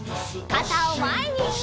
かたをまえに！